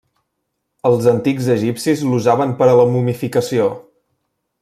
Els antics egipcis l'usaven per a la momificació.